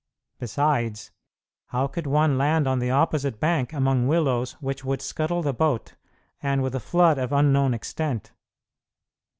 Besides, how could one land on the opposite bank among willows which would scuttle the boat, and with a flood of unknown extent?